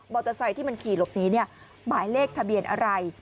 เมื่อกี้หลบนี้เนี่ยหมายเลขทะเบียนอะไร